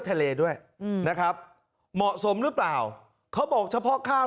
ทะเลด้วยอืมนะครับเหมาะสมหรือเปล่าเขาบอกเฉพาะข้าว